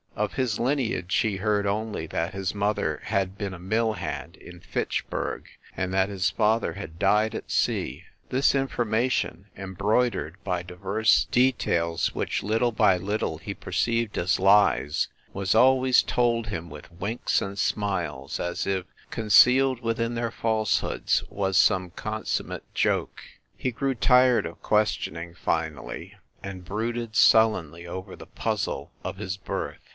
Of his lineage he heard only that his mother had been a mill hand in Fitchburg and that his father had died at sea this information, embroidered by diverse details which, little by little, he perceived as lies, was always told him with winks and smiles, as if, concealed within their falsehoods, was some consummate joke. He grew tired of ques tioning, finally, and brooded sullenly over the puzzle of his birth.